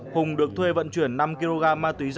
hùng được thuê vận chuyển năm kg ma túy dạng đá